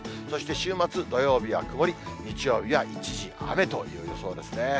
そして週末、土曜日は曇り、日曜日は一時雨という予想ですね。